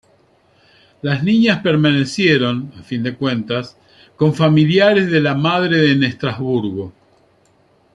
Las niñas permanecieron, a fin de cuentas, con familiares de la madre en Estrasburgo.